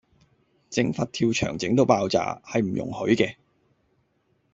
整佛跳牆整到爆炸，係唔容許嘅